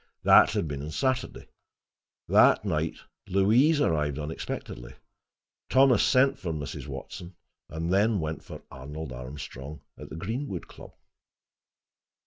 That had been on Saturday. That night Louise arrived unexpectedly. Thomas sent for Mrs. Watson and then went for Arnold Armstrong at the Greenwood Club.